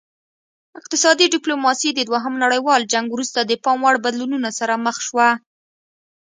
اقتصادي ډیپلوماسي د دوهم نړیوال جنګ وروسته د پام وړ بدلونونو سره مخ شوه